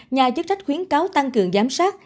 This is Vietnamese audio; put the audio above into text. nhà chức trách khuyến cáo tăng cường giám sát